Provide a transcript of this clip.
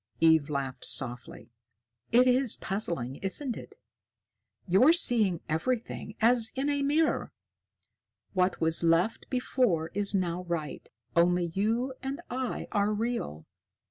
Eve laughed softly. "It is puzzling, isn't it? You're seeing everything as in a mirror. What was left before is now right. Only you and I are real.